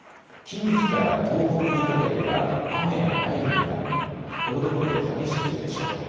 近畿から東北にかけては雨や雷雨となり、ところどころで激しく降るでしょう。